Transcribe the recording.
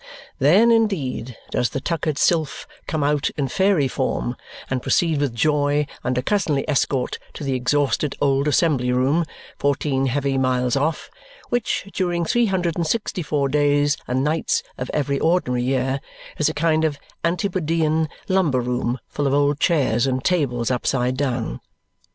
Then, indeed, does the tuckered sylph come out in fairy form and proceed with joy under cousinly escort to the exhausted old assembly room, fourteen heavy miles off, which, during three hundred and sixty four days and nights of every ordinary year, is a kind of antipodean lumber room full of old chairs and tables upside down.